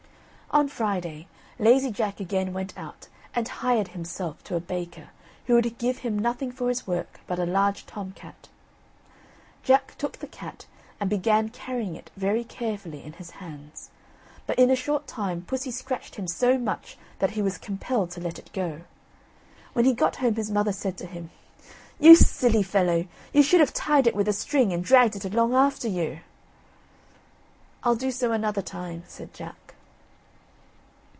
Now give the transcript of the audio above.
On Friday, Lazy Jack again went out, and hired himself to a baker, who would give him nothing for his work but a large tom cat. Jack took the cat, and began carrying it very carefully in his hands, but in a short time pussy scratched him so much that he was compelled to let it go. When he got home, his mother said to him, "You silly fellow, you should have tied it with a string, and dragged it along after you." "I'll do so another time," said Jack.